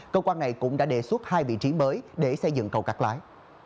công an này cũng đã đề xuất hai vị trí mới để xây dựng cầu các lái